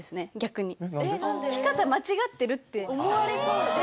着方間違ってるって思われそうで。